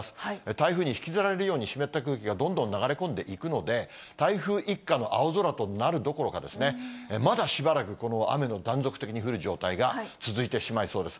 台風に引きずられるように、湿った空気がどんどん流れ込んでいくので、台風一過の青空となるどころか、まだしばらく、この雨の断続的に降る状態が続いてしまいそうです。